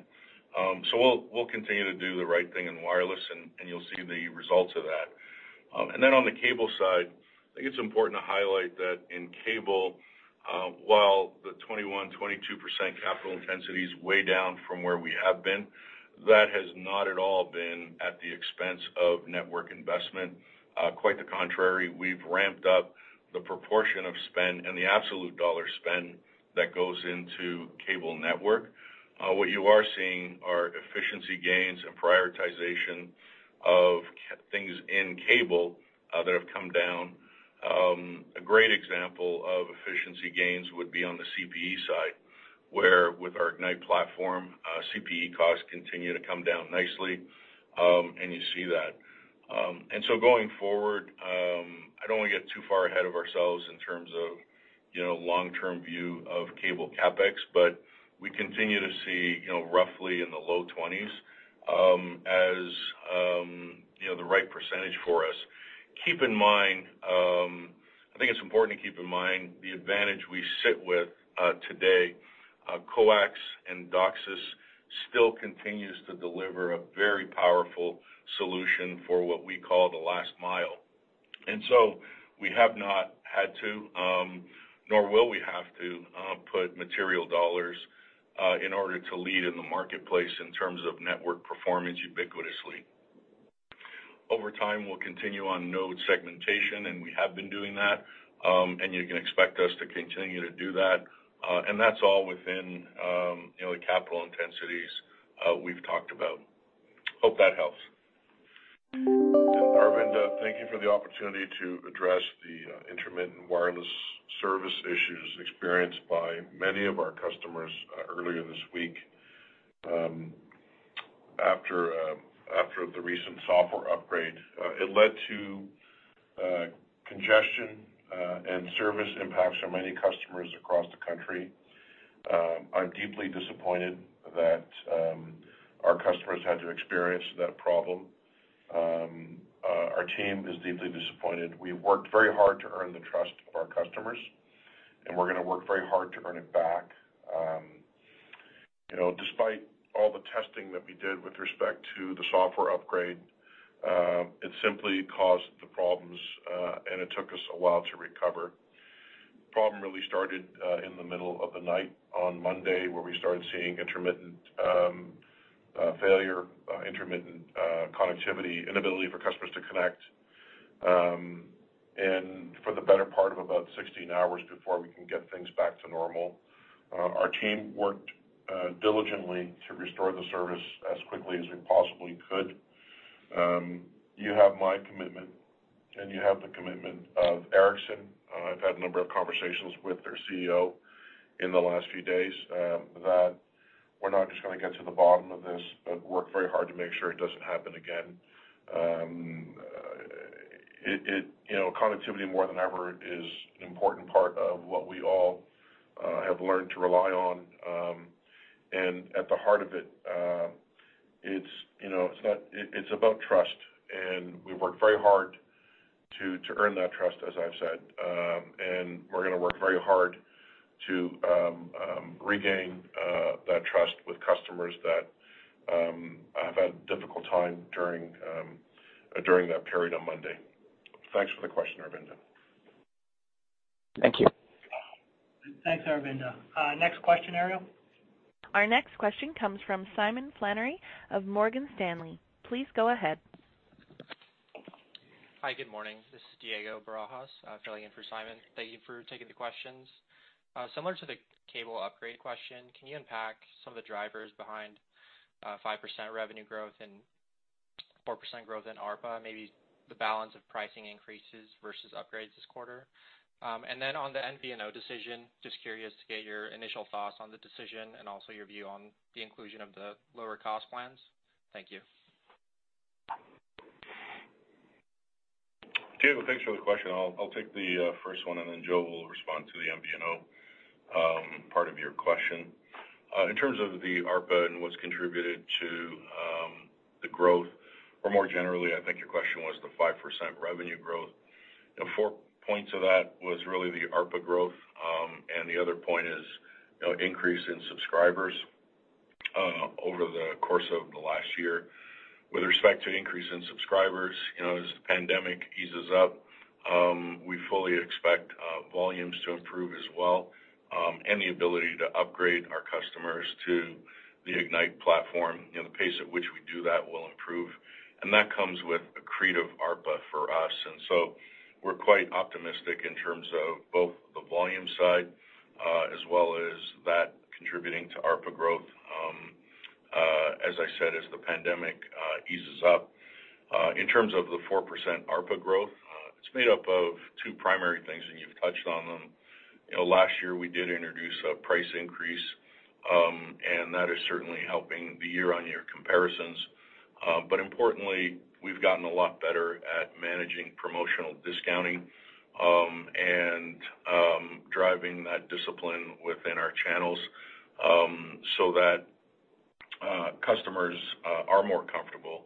So we'll continue to do the right thing in wireless, and you'll see the results of that. And then on the cable side, I think it's important to highlight that in cable, while the 21%-22% capital intensity is way down from where we have been, that has not at all been at the expense of network investment. Quite the contrary, we've ramped up the proportion of spend and the absolute dollar spend that goes into cable network. What you are seeing are efficiency gains and prioritization of things in cable that have come down. A great example of efficiency gains would be on the CPE side, where with our Ignite platform, CPE costs continue to come down nicely, and you see that, and so going forward, I don't want to get too far ahead of ourselves in terms of long-term view of cable CapEx, but we continue to see roughly in the low 20s% as the right percentage for us. Keep in mind, I think it's important to keep in mind the advantage we sit with today. Coax and DOCSIS still continues to deliver a very powerful solution for what we call the last mile. And so we have not had to, nor will we have to, put material dollars in order to lead in the marketplace in terms of network performance ubiquitously. Over time, we'll continue on node segmentation, and we have been doing that, and you can expect us to continue to do that. And that's all within the capital intensities we've talked about. Hope that helps. And Aravinda, thank you for the opportunity to address the intermittent wireless service issues experienced by many of our customers earlier this week after the recent software upgrade. It led to congestion and service impacts on many customers across the country. I'm deeply disappointed that our customers had to experience that problem. Our team is deeply disappointed. We've worked very hard to earn the trust of our customers, and we're going to work very hard to earn it back. Despite all the testing that we did with respect to the software upgrade, it simply caused the problems, and it took us a while to recover. The problem really started in the middle of the night on Monday, where we started seeing intermittent failure, intermittent connectivity, inability for customers to connect, and for the better part of about 16 hours before we can get things back to normal, our team worked diligently to restore the service as quickly as we possibly could. You have my commitment, and you have the commitment of Ericsson. I've had a number of conversations with their CEO in the last few days that we're not just going to get to the bottom of this, but work very hard to make sure it doesn't happen again. Connectivity more than ever is an important part of what we all have learned to rely on. At the heart of it, it's about trust. We've worked very hard to earn that trust, as I've said. We're going to work very hard to regain that trust with customers that have had a difficult time during that period on Monday. Thanks for the question, Aravinda. Thank you. Thanks, Aravinda. Next question, Ariel. Our next question comes from Simon Flannery of Morgan Stanley. Please go ahead. Hi, good morning. This is Diego Barajas. I'm filling in for Simon. Thank you for taking the questions. Similar to the cable upgrade question, can you unpack some of the drivers behind 5% revenue growth and 4% growth in ARPA, maybe the balance of pricing increases versus upgrades this quarter? And then on the MVNO decision, just curious to get your initial thoughts on the decision and also your view on the inclusion of the lower-cost plans. Thank you. Do you have a picture of the question? I'll take the first one, and then Joe will respond to the MVNO part of your question. In terms of the ARPA and what's contributed to the growth, or more generally, I think your question was the 5% revenue growth. Four points of that was really the ARPA growth, and the other point is increase in subscribers over the course of the last year. With respect to increase in subscribers, as the pandemic eases up, we fully expect volumes to improve as well and the ability to upgrade our customers to the Ignite platform. The pace at which we do that will improve, and that comes with an incremental ARPA for us. And so we're quite optimistic in terms of both the volume side as well as that contributing to ARPA growth, as I said, as the pandemic eases up. In terms of the 4% ARPA growth, it's made up of two primary things, and you've touched on them. Last year, we did introduce a price increase, and that is certainly helping the year-on-year comparisons, but importantly, we've gotten a lot better at managing promotional discounting and driving that discipline within our channels so that customers are more comfortable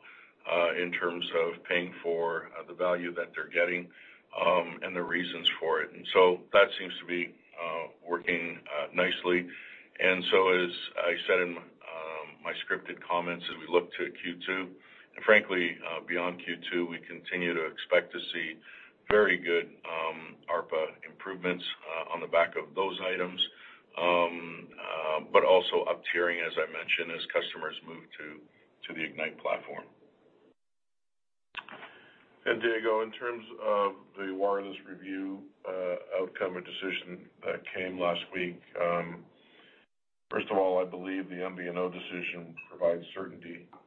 in terms of paying for the value that they're getting and the reasons for it, and so that seems to be working nicely, and so, as I said in my scripted comments, as we look to Q2, and frankly, beyond Q2, we continue to expect to see very good ARPA improvements on the back of those items, but also up-tiering, as I mentioned, as customers move to the Ignite platform. Diego, in terms of the wireless review outcome, a decision that came last week, first of all, I believe the MVNO decision provides certainty for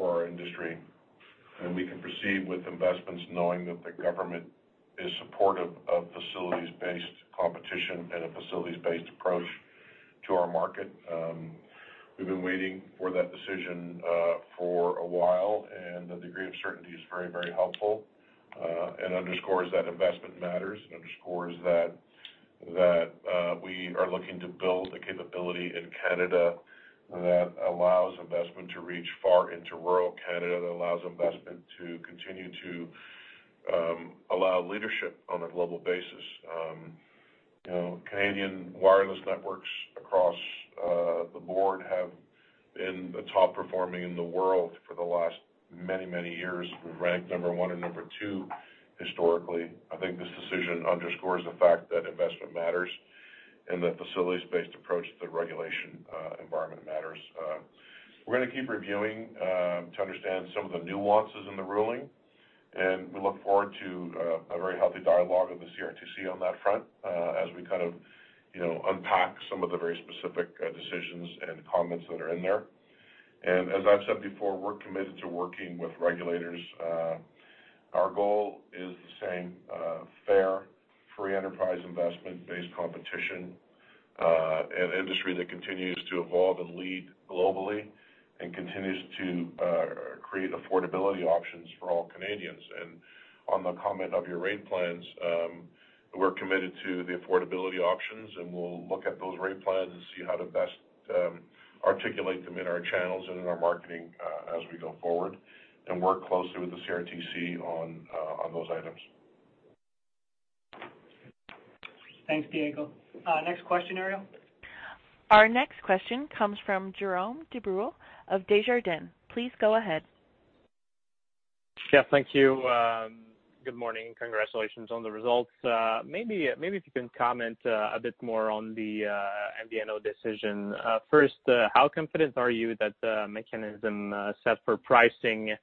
our industry. We can proceed with investments knowing that the government is supportive of facilities-based competition and a facilities-based approach to our market. We've been waiting for that decision for a while, and the degree of certainty is very, very helpful and underscores that investment matters and underscores that we are looking to build a capability in Canada that allows investment to reach far into rural Canada, that allows investment to continue to allow leadership on a global basis. Canadian wireless networks across the board have been the top performing in the world for the last many, many years. We've ranked number one and number two historically. I think this decision underscores the fact that investment matters and that facilities-based approach to the regulation environment matters. We're going to keep reviewing to understand some of the nuances in the ruling, and we look forward to a very healthy dialogue with the CRTC on that front as we kind of unpack some of the very specific decisions and comments that are in there. And as I've said before, we're committed to working with regulators. Our goal is the same: fair, free enterprise investment-based competition, an industry that continues to evolve and lead globally and continues to create affordability options for all Canadians. And on the comment of your rate plans, we're committed to the affordability options, and we'll look at those rate plans and see how to best articulate them in our channels and in our marketing as we go forward and work closely with the CRTC on those items. Thanks, Diego. Next question, Ariel. Our next question comes from Jérome Dubreuil of Desjardins. Please go ahead. Yeah, thank you. Good morning. Congratulations on the results. Maybe if you can comment a bit more on the MVNO decision. First, how confident are you that the mechanism set for pricing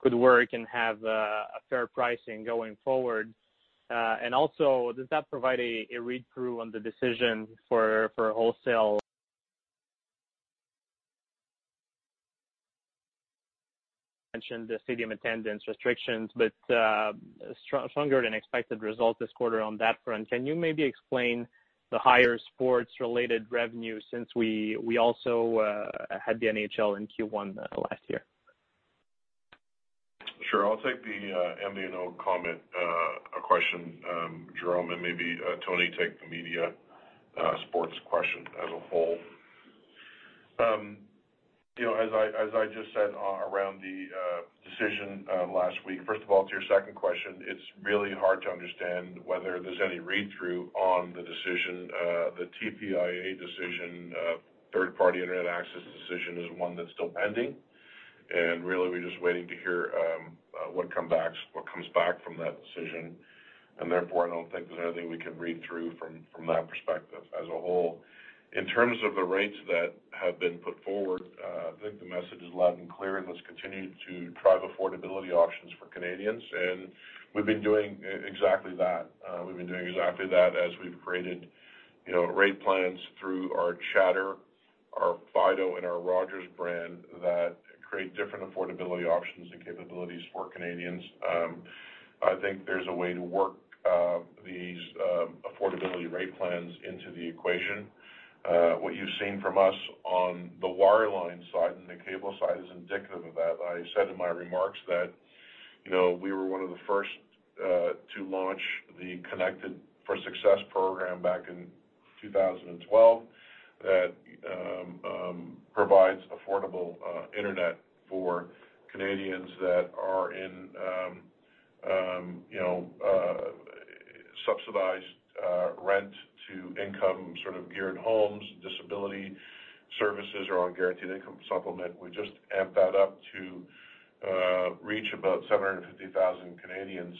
could work and have a fair pricing going forward? And also, does that provide a read-through on the decision for wholesale? Mentioned the stadium attendance restrictions, but stronger than expected results this quarter on that front. Can you maybe explain the higher sports-related revenue since we also had the NHL in Q1 last year? Sure. I'll take the MVNO comment question, Jérome, and maybe Tony take the media sports question as a whole. As I just said around the decision last week, first of all, to your second question, it's really hard to understand whether there's any read-through on the decision. The TPIA decision, third-party internet access decision, is one that's still pending. Really, we're just waiting to hear what comes back from that decision. Therefore, I don't think there's anything we can read through from that perspective as a whole. In terms of the rates that have been put forward, I think the message is loud and clear, and let's continue to drive affordability options for Canadians. We've been doing exactly that. We've been doing exactly that as we've created rate plans through our chatr, our Fido, and our Rogers brand that create different affordability options and capabilities for Canadians. I think there's a way to work these affordability rate plans into the equation. What you've seen from us on the wireline side and the cable side is indicative of that. I said in my remarks that we were one of the first to launch the Connected for Success program back in 2012 that provides affordable internet for Canadians that are in subsidized rent to income sort of geared homes, disability services, or on guaranteed income supplement. We just amp that up to reach about 750,000 Canadians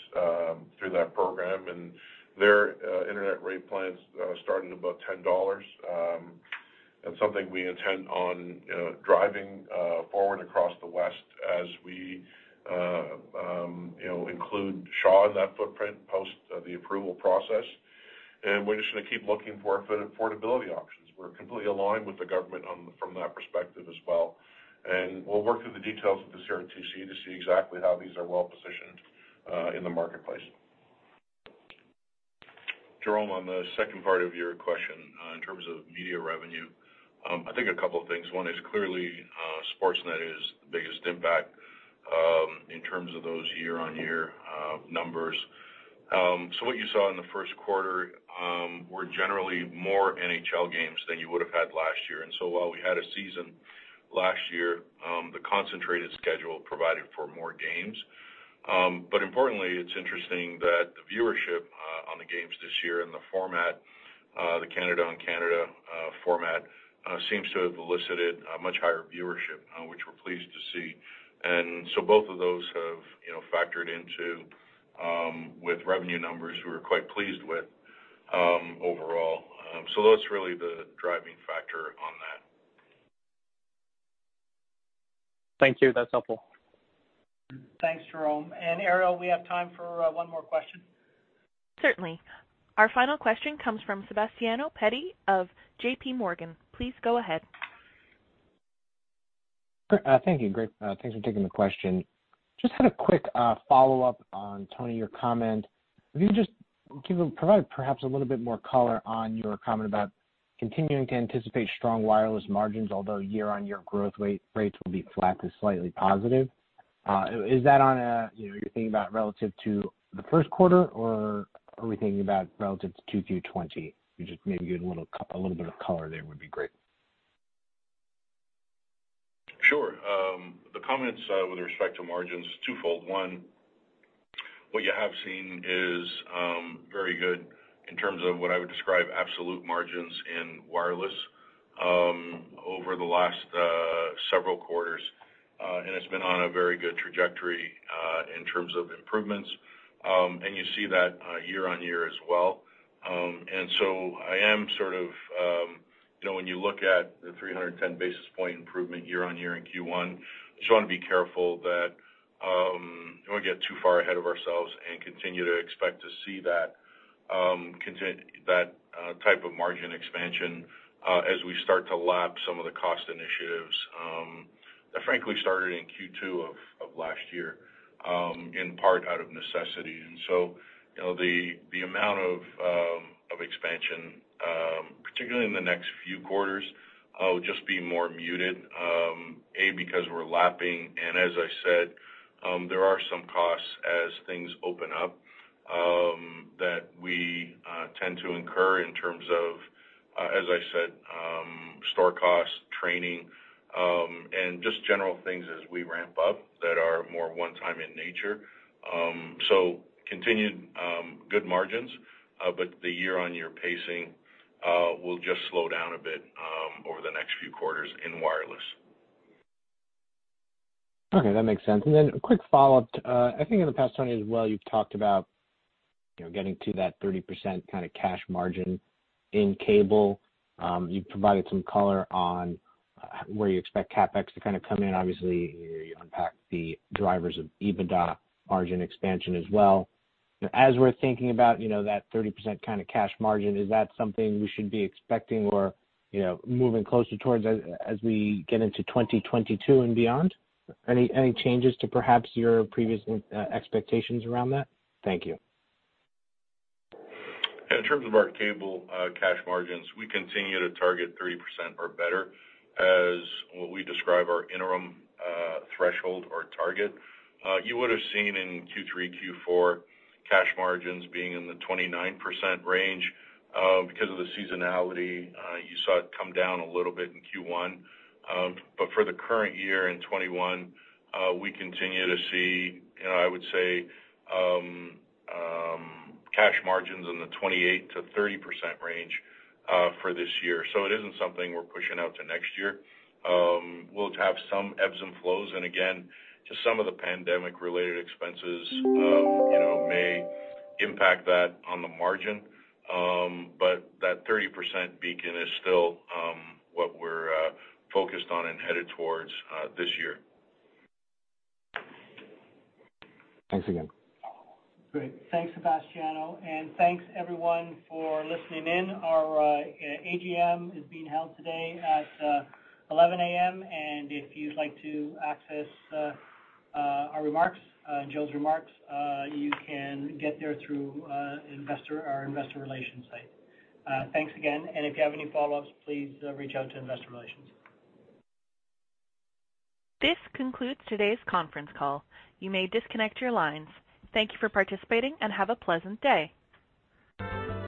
through that program. And their internet rate plans start at about $10. That's something we intend on driving forward across the West as we include Shaw in that footprint post the approval process. And we're just going to keep looking for affordability options. We're completely aligned with the government from that perspective as well. And we'll work through the details with the CRTC to see exactly how these are well-positioned in the marketplace. Jérome, on the second part of your question in terms of media revenue, I think a couple of things. One is clearly Sportsnet is the biggest impact in terms of those year-on-year numbers. So what you saw in the first quarter, we're generally more NHL games than you would have had last year. And so while we had a season last year, the concentrated schedule provided for more games. But importantly, it's interesting that the viewership on the games this year and the format, the Canada on Canada format, seems to have elicited a much higher viewership, which we're pleased to see. And so both of those have factored into with revenue numbers we were quite pleased with overall. So that's really the driving factor on that. Thank you. That's helpful. Thanks, Jérome. And Ariel, we have time for one more question. Certainly. Our final question comes from Sebastiano Petti of JPMorgan. Please go ahead. Thank you, great. Thanks for taking the question. Just had a quick follow-up on, Tony, your comment. If you could just provide perhaps a little bit more color on your comment about continuing to anticipate strong wireless margins, although year-on-year growth rates will be flat to slightly positive. Is that on a you're thinking about relative to the first quarter, or are we thinking about relative to Q2 2020? Just maybe give a little bit of color there would be great. Sure. The comments with respect to margins, twofold. One, what you have seen is very good in terms of what I would describe as absolute margins in wireless over the last several quarters. And it's been on a very good trajectory in terms of improvements. And you see that year-on-year as well. And so I am sort of, when you look at the 310 basis point improvement year-on-year in Q1, I just want to be careful that we don't get too far ahead of ourselves and continue to expect to see that type of margin expansion as we start to lap some of the cost initiatives that, frankly, started in Q2 of last year in part out of necessity. And so the amount of expansion, particularly in the next few quarters, will just be more muted, A, because we're lapping. And as I said, there are some costs as things open up that we tend to incur in terms of, as I said, store costs, training, and just general things as we ramp up that are more one-time in nature. So continued good margins, but the year-on-year pacing will just slow down a bit over the next few quarters in wireless. Okay. That makes sense. And then a quick follow-up. I think in the past, Tony, as well, you've talked about getting to that 30% kind of cash margin in cable. You've provided some color on where you expect CapEx to kind of come in. Obviously, you unpacked the drivers of EBITDA margin expansion as well. As we're thinking about that 30% kind of cash margin, is that something we should be expecting or moving closer towards as we get into 2022 and beyond? Any changes to perhaps your previous expectations around that? Thank you. In terms of our cable cash margins, we continue to target 30% or better as what we describe our interim threshold or target. You would have seen in Q3, Q4, cash margins being in the 29% range. Because of the seasonality, you saw it come down a little bit in Q1. But for the current year in 2021, we continue to see, I would say, cash margins in the 28%-30% range for this year. So it isn't something we're pushing out to next year. We'll have some ebbs and flows. And again, just some of the pandemic-related expenses may impact that on the margin. But that 30% beacon is still what we're focused on and headed towards this year. Thanks again. Great. Thanks, Sebastiano. And thanks, everyone, for listening in. Our AGM is being held today at 11:00 A.M. And if you'd like to access our remarks, Joe's remarks, you can get there through our investor relations site. Thanks again. And if you have any follow-ups, please reach out to investor relations. This concludes today's conference call. You may disconnect your lines. Thank you for participating and have a pleasant day.